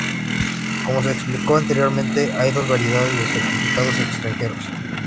Como se explicó anteriormente, hay dos variedades de certificados extranjeros.